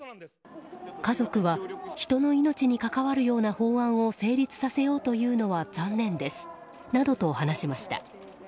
家族は、人の命に関わるような法案を成立させようとするのは残念ですなどと話しました。